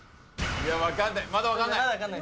まだ分かんない！